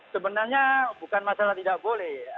sebenarnya bukan masalah tidak boleh